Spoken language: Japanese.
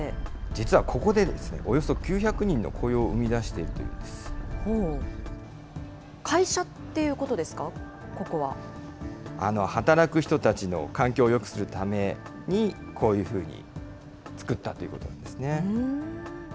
実はここで、およそ９００人の雇用を生み出しているというん会社ということですか、ここ働く人たちの環境をよくするために、こういうふうに作ったということなんですね。